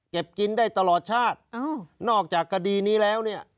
กินได้ตลอดชาตินอกจากคดีนี้แล้วเนี่ย